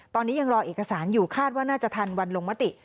ตอนนี้ยังรอเอกสารอยู่คาดว่าน่าจะทันวันลงมติ